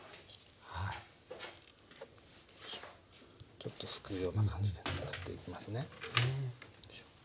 ちょっとすくうような感じで取っていきますね。